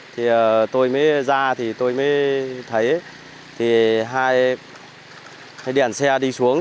và tôi mới ra thì tôi mới thấy hai đèn xe đi xuống